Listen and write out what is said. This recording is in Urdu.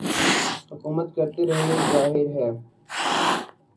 حکومت کرتے رہے ظاہر ہے